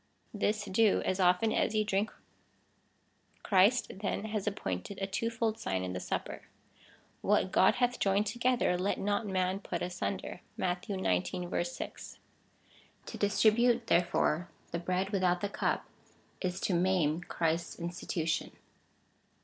This do, as often as ye drinh. Christ, then, has appointed a two fold sign in the Supper. What God hath joined to gether let not man put asunder. (Matt. xix. 6.) To distri bute, therefore, the bread without the cup, is to maim Christ's institution.